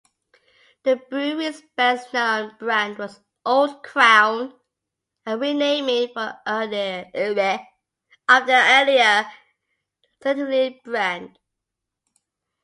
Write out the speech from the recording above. The brewery's best-known brand was Old Crown, a renaming of their earlier Centlivre brand.